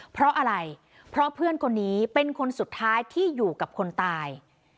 เพราะอะไรเพราะเพื่อนคนนี้เป็นคนสุดท้ายที่อยู่กับคนตาย